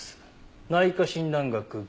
「『内科診断学』」。